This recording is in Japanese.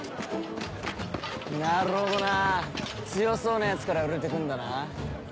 なるほどな強そうな奴から売れてくんだな。